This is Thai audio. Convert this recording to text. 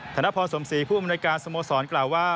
ธนพรสมศรีผู้อำนวยการสโมสรกล่าวว่า